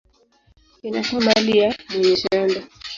inakuwa mali ya mwenye shamba.